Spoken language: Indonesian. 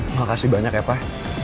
makasih banyak ya pak